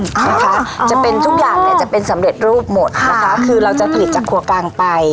นะคะจะเป็นทุกอย่างเนี่ยจะเป็นสำเร็จรูปหมดนะคะคือเราจะผลิตจากครัวกลางไป